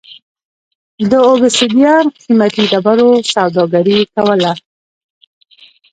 د اوبسیدیان قېمتي ډبرو سوداګري کوله.